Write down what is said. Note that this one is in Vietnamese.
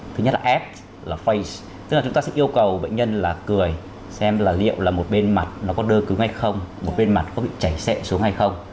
thứ nhất là f là tức là chúng ta sẽ yêu cầu bệnh nhân là cười xem là liệu là một bên mặt nó có đơ cứng hay không một bên mặt có bị chảy sệ xuống hay không